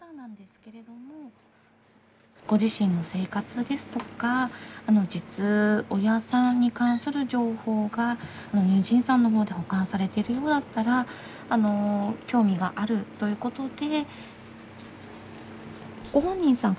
ご自身の生活ですとか実親さんに関する情報が乳児院さんのほうで保管されているようだったら興味があるということで。